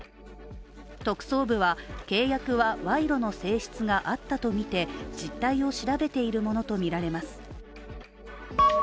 特捜部は、契約は賄賂の性質があったとみて実態を調べているものとみられます。